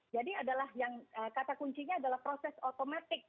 jadi adalah yang kata kuncinya adalah proses otomatik